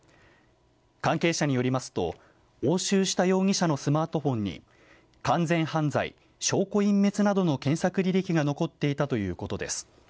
関係者によりますと押収した容疑者のスマートフォンに完全犯罪、証拠隠滅などの検索履歴が残っていたということです。